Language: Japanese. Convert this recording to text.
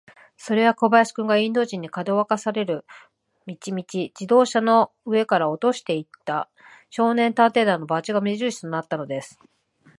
それは小林君が、インド人に、かどわかされる道々、自動車の上から落としていった、少年探偵団のバッジが目じるしとなったのです。